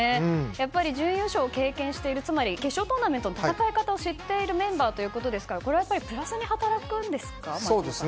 準優勝を経験しているつまり決勝トーナメントの戦い方を知っているメンバーということですからこれはやっぱりプラスに働きますか？